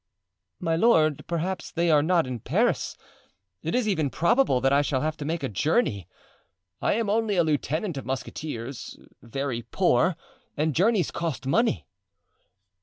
"My lord, perhaps they are not in Paris. It is even probable that I shall have to make a journey. I am only a lieutenant of musketeers, very poor, and journeys cost money.